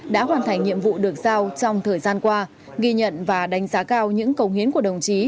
đã hoàn thành nhiệm vụ được giao trong thời gian qua ghi nhận và đánh giá cao những công hiến của đồng chí